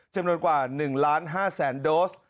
จำนวนกว่า๑๕๐๐๐โดส